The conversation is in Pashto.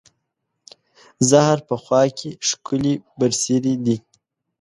زهر په خوا کې، ښکلې برسېرې دي